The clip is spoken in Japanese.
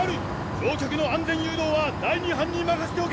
乗客の安全誘導は第２班に任せておけ！